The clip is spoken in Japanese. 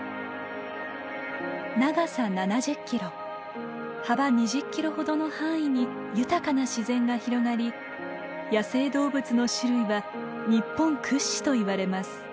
長さ７０キロ幅２０キロほどの範囲に豊かな自然が広がり野生動物の種類は日本屈指といわれます。